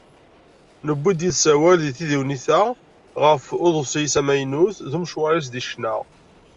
Newwi-d yid-s awal deg tdiwennit-a ɣef uḍebsi-s amaynut d umecwaṛ-is deg ccna.